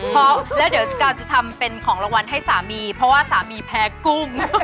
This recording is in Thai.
เพราะแล้วเดี๋ยวการจะทำเป็นของรางวัลให้สามีเพราะว่าสามีแพ้กุ้ง